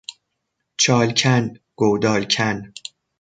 چال کن، گودال کن